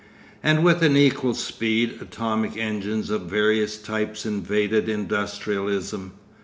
And with an equal speed atomic engines of various types invaded industrialism.